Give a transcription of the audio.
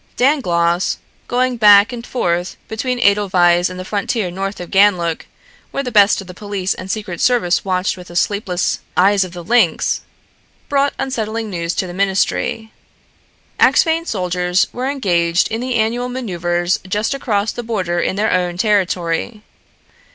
Dangloss, going back and forth between Edelweiss and the frontier north of Ganlook, where the best of the police and secret service watched with the sleepless eyes of the lynx, brought unsettling news to the ministry. Axphain troops were engaged in the annual maneuvers just across the border in their own territory.